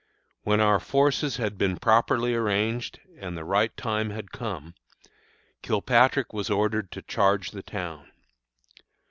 When our forces had been properly arranged, and the right time had come, Kilpatrick was ordered to charge the town.